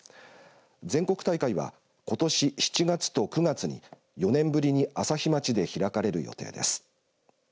全国大会はことし７月と９月に４年ぶりに朝日町で開かれる予定です。